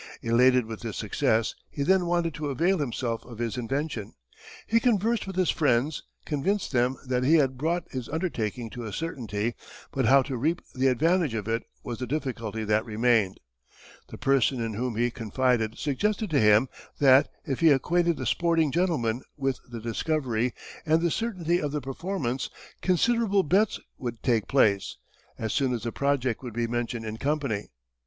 Elated with this success, he then wanted to avail himself of his invention. He conversed with his friends, convinced them that he had brought his undertaking to a certainty; but how to reap the advantage of it was the difficulty that remained. The person in whom he confided suggested to him, that, if he acquainted the sporting Gentlemen with the discovery, and the certainty of the performance, considerable betts would take place, as soon as the project would be mentioned in company.